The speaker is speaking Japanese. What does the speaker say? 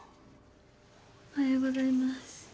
おはようございます。